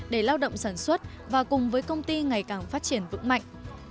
để lao động sản xuất và cùng với công ty ngày càng phát triển vững mạnh